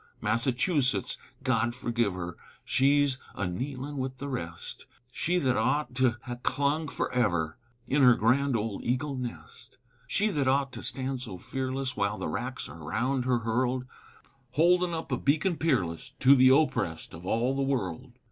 Massachusetts, God forgive her, She's akneelin' with the rest, She, thet ough' to ha' clung ferever In her grand old eagle nest; She thet ough' to stand so fearless W'ile the wracks are round her hurled, Holdin' up a beacon peerless To the oppressed of all the world!